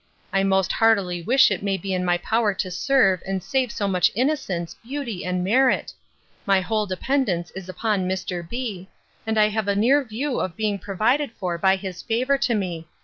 I most heartily wish it may be in my power to serve and save so much innocence, beauty, and merit. My whole dependance is upon Mr. B——, and I have a near view of being provided for by his favour to me.